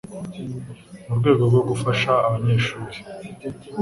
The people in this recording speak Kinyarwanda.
mu rwego rwo gufasha abanyeshuri